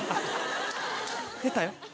出たよ。